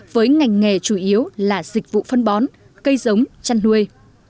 với ngành nghề chủ yếu là dịch vụ phân bón cây giống chăn nuôi